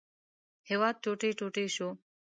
هېواد ټوټې ټوټې شو.